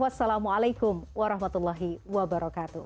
wassalamualaikum warahmatullahi wabarakatuh